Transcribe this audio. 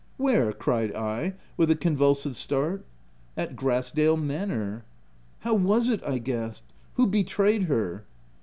" Where?" cried I, with a convulsive start. " At Grass dale manor. 5 ' u How was it ?" I gasped. " Who betrayed her?"